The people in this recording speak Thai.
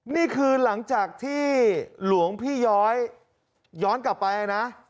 นี่คือหลังจากที่หลวงพี่ย้อยย้อนกลับไปนะ